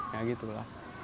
ya gitu lah